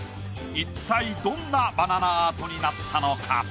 一体どんなバナナアートになったのか？